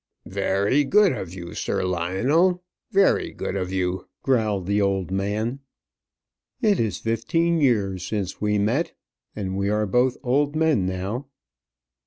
"Very good of you, Sir Lionel; very good of you," growled the old man. "It is fifteen years since we met, and we are both old men now."